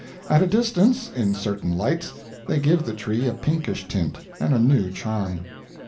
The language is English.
At a distance, in certain lights, they give the tree a pinkish tint and a new charm.